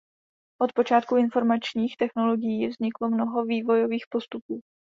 Od počátků informačních technologií vzniklo mnoho vývojových postupů.